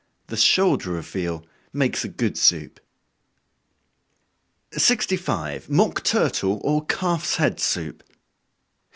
The shoulder of veal makes a good soup. 65. _Mock Turtle, or Calf's Head Soup.